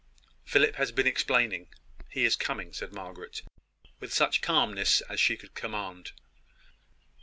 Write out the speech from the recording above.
"Philip has been explaining He is coming," said Margaret, with such calmness as she could command.